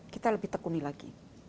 kita lebih tekuni lagi